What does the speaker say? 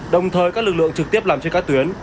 đồng thời các lực lượng trực tiếp làm trên các tuyến